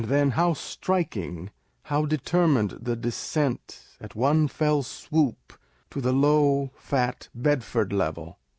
then how striking, how determined the descent, " at ono fell swoop," to the "low, fat, Bedford level!"